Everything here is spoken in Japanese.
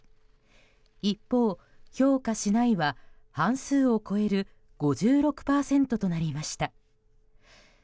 一方、評価しないは半数を超える５６％となりました。